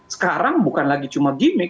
sekarang bukan lagi cuma gimmick